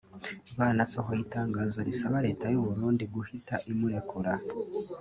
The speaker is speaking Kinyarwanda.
banasohoye itangazo risaba Leta y’u Burundi guhita imurekura